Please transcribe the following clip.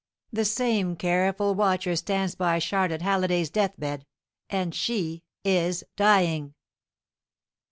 The same careful watcher stands by Charlotte Halliday's deathbed, and she is dying!"